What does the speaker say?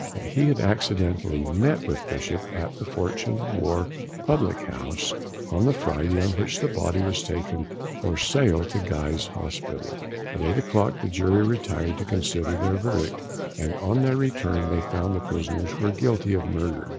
That he had accidentally met with Bishop at the Fortune of War public house on the Friday on which the body was taken for sale to Guy's Hospital. At eight o'clock the jury retired to consider their verdict, and on their return they found the prisoners were Guilty of Murder.